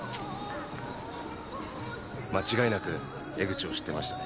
間違いなく江口を知ってましたね。